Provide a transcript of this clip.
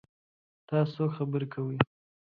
تاسو څوک خبرې کوي؟